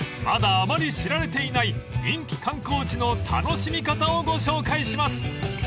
［まだあまり知られていない人気観光地の楽しみ方をご紹介します］